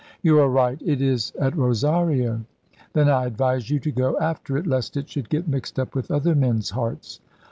"You are right it is at Rosario." "Then I advise you to go after it, lest it should get mixed up with other men's hearts."